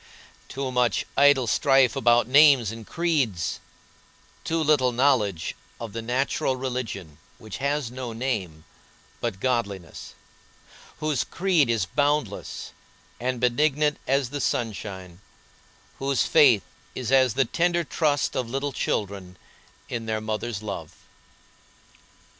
Too much idle strife about names and creeds; too little knowledge of the natural religion which has no name but godliness, whose creed is boundless and benignant as the sunshine, whose faith is as the tender trust of little children in their mother's love.